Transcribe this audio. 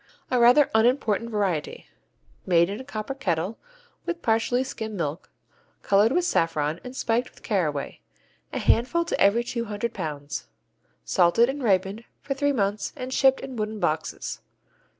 A rather unimportant variety. Made in a copper kettle, with partially skim milk, colored with saffron and spiked with caraway, a handful to every two hundred pounds. Salted and ripened for three months and shipped in wooden boxes.